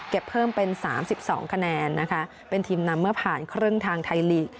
เพิ่มเป็น๓๒คะแนนนะคะเป็นทีมนำเมื่อผ่านครึ่งทางไทยลีก